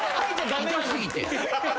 痛すぎて。